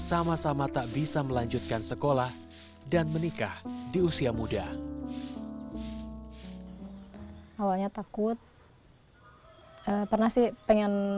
sama sama tak bisa melanjutkan sekolah dan menikah di usia muda awalnya takut pernah sih pengen